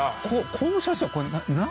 この写真はこれ何？